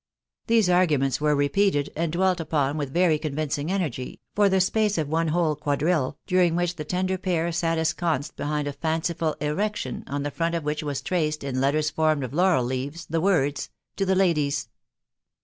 These arguments were repeated, and dwelt upon with very convincing energy, for the space of one whole quadrille, during which the tender pair sat ensconced behind a fanciful erection, on the front of which was traced, in letters formed of laurel leaves, the words, "to the ladies."